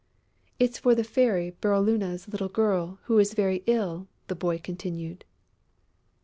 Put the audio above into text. "It's for the Fairy Bérylune's little girl, who is very ill," the boy continued.